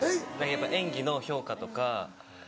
やっぱ演技の評価とか。